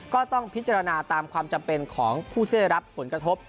ก็ต้องพิจารณาตามความจำเป็นของผู้ที่ได้รับผลกระทบ